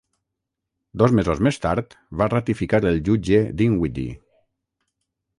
Dos mesos més tard, va ratificar el jutge Dinwiddie.